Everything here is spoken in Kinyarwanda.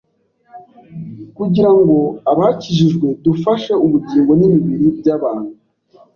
kugira ngoabakijijwe dufashe ubugingo n’imibiri by’abantu.